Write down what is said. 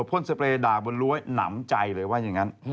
พ่นสเปรย์ด่าบนรั้วหนำใจเลยว่าอย่างนั้น